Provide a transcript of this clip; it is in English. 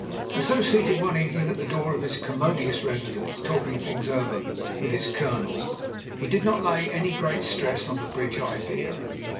And so, seated one evening at the door of his com modious residence talking things over with his colonel, he did not lay any great stress on the bridge idea.